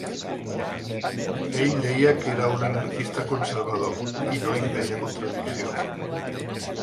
Ell deia que era un anarquista conservador, i no hi veia contradicció.